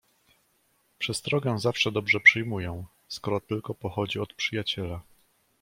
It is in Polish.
"Przestrogę zawsze dobrze przyjmuję, skoro tylko pochodzi od przyjaciela."